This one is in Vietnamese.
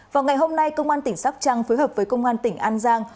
vào ngày hôm nay công an tỉnh sóc trăng phối hợp với công an tỉnh an giang